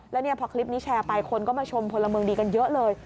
แล้วเนี่ยพอคลิปนี้แชร์ไปคนก็มาชมพลเมืองดีกันเยอะเลย